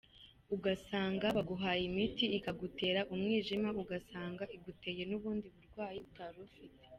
Ugasanga baguhaye imiti ikagutera umwijima, ugasanga iguteye n’ubundi burwayi utari ufite.